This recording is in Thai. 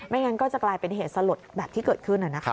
งั้นก็จะกลายเป็นเหตุสลดแบบที่เกิดขึ้น